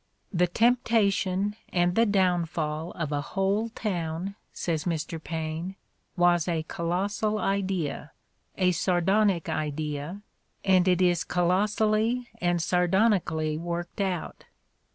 "The temptation and the down fall of a whole town," says Mr. Paine, "was a colossal idea, a sardonic idea, and it is eolossally and sardoni cally worked out.